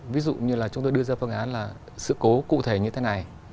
ví dụ như là chúng tôi đưa ra phương án là sự cố cụ thể như thế này